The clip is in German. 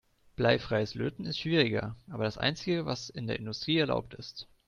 Bleifreies Löten ist schwieriger, aber das einzige, was in der Industrie erlaubt ist.